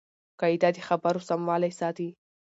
قاعده د خبرو سموالی ساتي.